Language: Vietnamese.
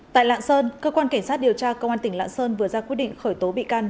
tại lạng sơn cơ quan cảnh sát điều tra công an tỉnh lạng sơn vừa ra quyết định khởi tố bị can